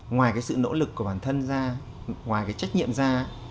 ngoài sự nỗ lực của bản thân ra ngoài trách nhiệm ra